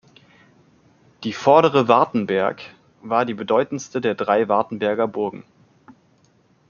Die "Vordere Wartenberg" war die bedeutendste der drei Wartenberger-Burgen.